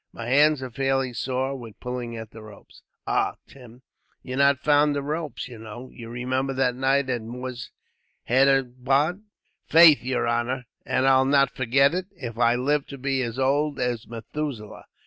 My hands are fairly sore, with pulling at the ropes." "Ah, Tim, you're not fond of ropes, you know. You remember that night at Moorshedabad." "Faith, yer honor, and I'll not forget it, if I live to be as old as Methuselah.